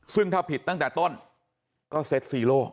ซึ่งถ้าผิดตั้งแต่ต้นก็เซ็ตซีโร่